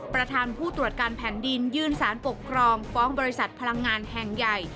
ประธานผู้ตรวจการแผ่นดินยื่นสารปกครองฟ้องบริษัทพลังงานแห่งใหญ่